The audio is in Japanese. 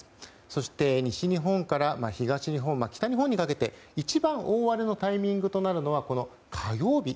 そして、西日本から東日本北日本にかけて一番大荒れのタイミングとなるのは火曜日。